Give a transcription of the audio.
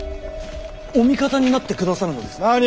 お味方になってくださるのですか。